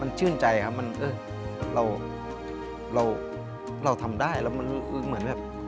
ชื่นใจครับมันเราทำได้แล้วมันเหมือนแบบ